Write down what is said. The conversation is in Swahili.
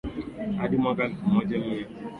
hadi mwaka elfu moja mia nane tisini na tatu